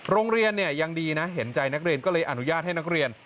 โรงเรียนเนี่ยยังดีนะเห็นใจนักเรียนก็เลยอนุญาตให้นักเรียน